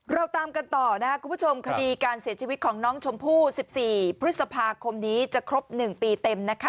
เราตามกันต่อนะครับคุณผู้ชมคดีการเสียชีวิตของน้องชมพู่๑๔พฤษภาคมนี้จะครบ๑ปีเต็มนะคะ